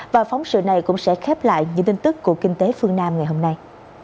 và phóng sự này cũng sẽ khép lại những tin tức của kinh tế phương nam ngày hôm nay